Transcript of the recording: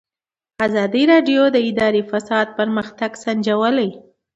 ازادي راډیو د اداري فساد پرمختګ سنجولی.